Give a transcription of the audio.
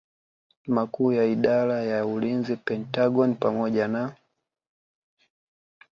Makuu ya Idara ya Ulinzi Pentagon pamoja na